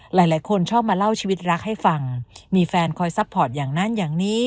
หลายคนชอบมาเล่าชีวิตรักให้ฟังมีแฟนคอยซัพพอร์ตอย่างนั้นอย่างนี้